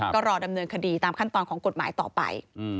ก็รอดำเนินคดีตามขั้นตอนของกฎหมายต่อไป